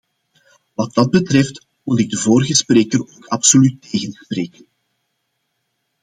Wat dat betreft moet ik de vorige spreker ook absoluut tegenspreken.